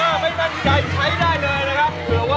ถ้าไม่มั่นใจใช้ได้เลยนะครับ